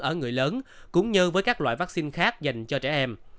ở người lớn cũng như với các loại vaccine khác dành cho trẻ em